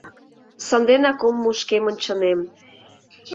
Санденак ом му шкемын чынем.